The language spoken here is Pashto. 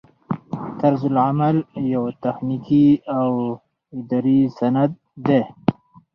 طرزالعمل یو تخنیکي او اداري سند دی.